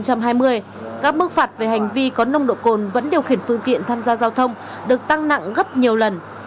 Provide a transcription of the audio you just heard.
các mức phạt về hành vi có nồng độ cồn vẫn điều khiển phương tiện tham gia giao thông được tăng nặng gấp nhiều lần